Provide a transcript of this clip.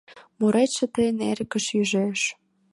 Муретше тыйын Эрыкыш ӱжеш.